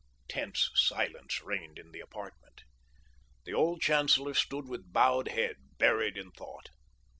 Tense silence reigned in the apartment. The old chancellor stood with bowed head, buried in thought.